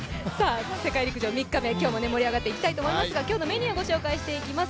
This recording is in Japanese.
世界陸上３日目、今日も盛り上がっていきたいと思いますが今日のメニューご紹介していきます。